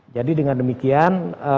jadi dengan demikian